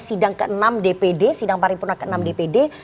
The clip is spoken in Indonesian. sidang ke enam dpd sidang paripurna ke enam dpd